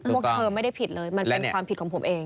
พวกเธอไม่ได้ผิดเลยมันเป็นความผิดของผมเอง